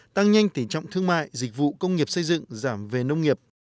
tăng nhanh tỉ trọng thương mại dịch vụ công nghiệp xây dựng giảm về nông nghiệp